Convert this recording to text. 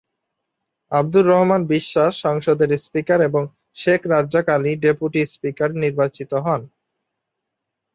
আবদুর রহমান বিশ্বাস সংসদের স্পিকার এবং Sheikh Razzak Ali deputy speaker নির্বাচিত হন।